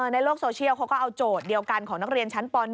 ในโลกโซเชียลเขาก็เอาโจทย์เดียวกันของนักเรียนชั้นป๑